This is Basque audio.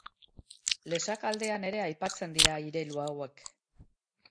Lesaka aldean ere aipatzen dira irelu hauek.